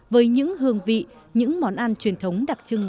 với những hương vị những món ăn truyền thống đặc trưng